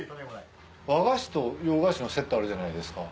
和菓子と洋菓子のセットあるじゃないですか。